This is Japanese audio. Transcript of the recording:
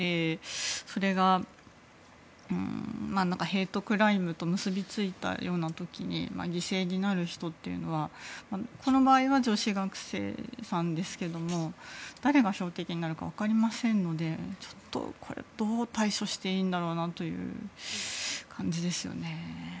それがヘイトクライムと結びついたような時に犠牲になる人というのはこの場合は女子学生さんですが誰が標的になるかわかりませんのでちょっとこれはどう対処していいんだろうなという感じですね。